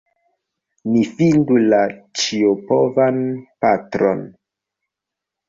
Ni fidu la Ĉiopovan Patron!